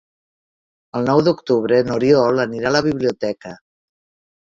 El nou d'octubre n'Oriol anirà a la biblioteca.